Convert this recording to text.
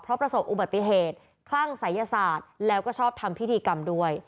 เพราะประสบอุบัติเหตุคลั่งศัยศาสตร์แล้วก็ชอบทำพิธีกรรมด้วย